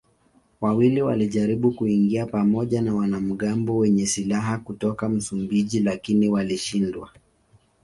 Wawili walijaribu kuingia pamoja na wanamgambo wenye silaha kutoka Msumbiji lakini walishindwa.